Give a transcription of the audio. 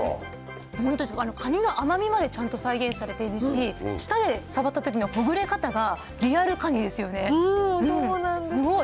本当にカニの甘みまでちゃんと再現されているし、下で触ったときのほぐれ方が、そうなんです。